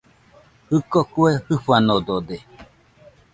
Jɨko kue jɨfanodode